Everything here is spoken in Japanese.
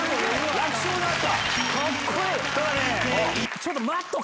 楽勝だった。